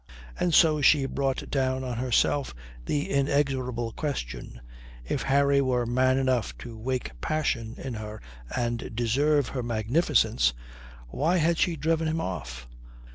And so she brought down on herself the inexorable question if Harry were man enough to wake passion in her and deserve her magnificence, why had she driven him off?